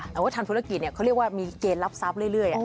แต่ว่าทำธุรกิจเขาเรียกว่ามีเกณฑ์รับทรัพย์เรื่อย